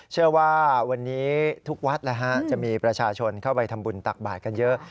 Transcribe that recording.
เชื่อว่าวันนี้ทุกวัดจะมีประชาชนเข้าไปทำบุญตักบาทกันเยอะ